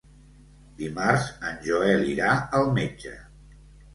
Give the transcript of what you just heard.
Dimarts en Joel irà al metge.